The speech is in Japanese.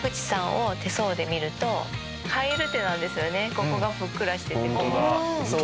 ここがふっくらしてて。